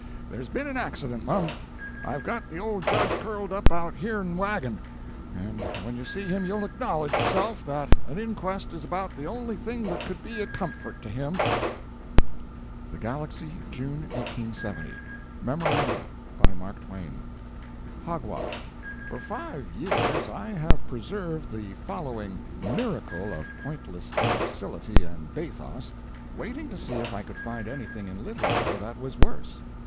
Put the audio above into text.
There's been an accident, mum. I've got the old Judge curled up out here n the wagon—and when you see him you'll acknowledge, yourself, that an inquest is about the only thing that could be a comfort to him!" THE GALAXY, JUNE 1870 MEMORANDA. BY MARK TWAIN. "HOGWASH" For five years I have preserved the following miracle of pointless imbecility and bathos, waiting to see if I could find anything in literature that was worse.